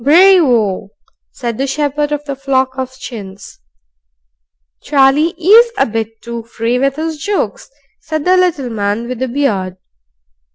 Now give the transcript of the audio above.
"Bray vo!" said the shepherd of the flock of chins. "Charlie IS a bit too free with his jokes," said the little man with the beard.